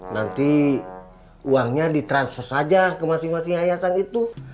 nanti uangnya ditransfer saja ke masing masing yayasan itu